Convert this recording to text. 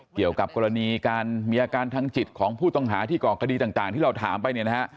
เกี่ยวกับกรณีการมีอาการทางจิตของผู้ต้องหาที่ก่อคดีต่างที่เราถามไปเนี่ยนะฮะ